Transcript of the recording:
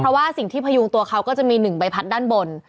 เพราะว่าสิ่งที่พยุงตัวเขาก็จะมี๑ใบพัดด้านบน